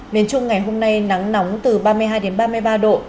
miền trung ngày hôm nay nắng nóng từ ba mươi hai đến ba mươi ba độ